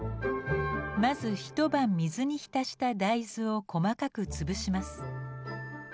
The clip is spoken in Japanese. まず一晩水に浸した大豆を細かく潰します。